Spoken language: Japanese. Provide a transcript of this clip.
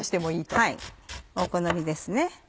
はいお好みですね。